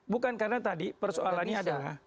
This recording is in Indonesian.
bukan karena tadi persoalannya adalah